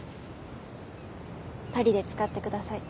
パリで使ってください。